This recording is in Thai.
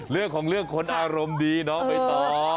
เรื่องของเรื่องคนอารมณ์ดีน้องใบตอง